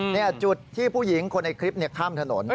นี่จุดที่ผู้หญิงคนในคลิปข้ามถนน